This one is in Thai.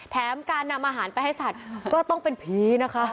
แถมการนำอาหารไปให้สัตว์ก็ต้องเป็นผีนะคะ